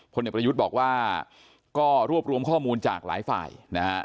เด็กประยุทธ์บอกว่าก็รวบรวมข้อมูลจากหลายฝ่ายนะฮะ